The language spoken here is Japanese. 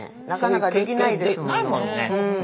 なかなかできないですもの。